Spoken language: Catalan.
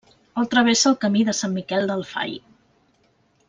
El travessa el Camí de Sant Miquel del Fai.